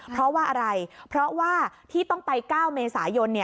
เพราะว่าอะไรเพราะว่าที่ต้องไป๙เมษายน